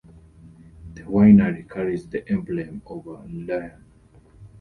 The winery carries the emblem of a lion.